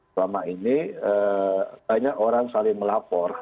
selama ini banyak orang saling melapor